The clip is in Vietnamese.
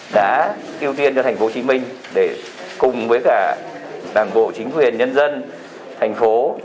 đã ưu tiên cho tp hcm để cùng với cả đảng bộ chính quyền nhân dân thành phố